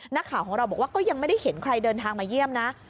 นักข่าวของเราบอกว่าก็ยังไม่ได้เห็นใครเดินทางมาเยี่ยมนะ